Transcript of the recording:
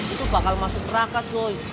itu bakal masuk terakat cuy